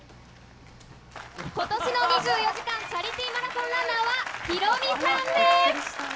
ことしの２４時間チャリティーマラソンランナーは、ヒロミさんです。